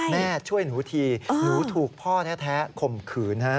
แม่ช่วยหนูทีหนูถูกพ่อแท้ข่มขืน